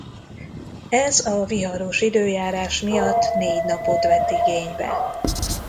Ez a viharos időjárás miatt négy napot vett igénybe.